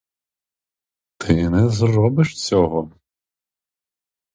Ти не зробиш цього!